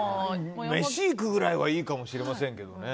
飯行くぐらいはいいかもしれませんけどね。